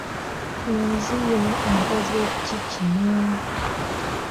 Looziyo onkoze ki kino?